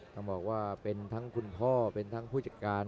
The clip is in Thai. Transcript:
ต้องบอกว่าเป็นทั้งคุณพ่อเป็นทั้งผู้จัดการ